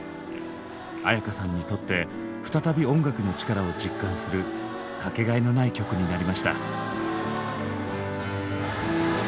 絢香さんにとって再び音楽の力を実感する掛けがえのない曲になりました。